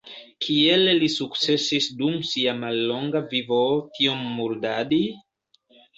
Kiel li sukcesis dum sia mallonga vivo tiom murdadi?